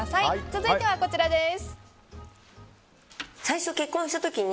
続いては、こちらです。